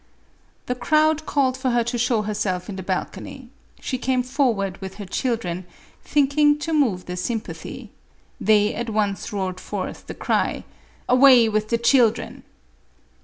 The crowd called for her to show herself in the balcony ; she came forward with her children, thinking to move their sym MARIE ANTOINETTE. 463 pathy ; they at once roared forth the cry —" Away with the children